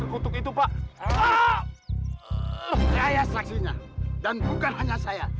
h ih saya saksinya dan bukan hanya saya